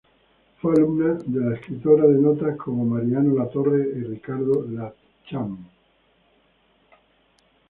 Fue alumna de escritores de nota como Mariano Latorre y Ricardo Latcham.